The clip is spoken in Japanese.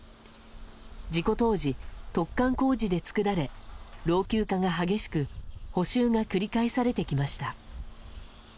事故当時、突貫工事で作られ老朽化が激しく補修が繰り返されてきました。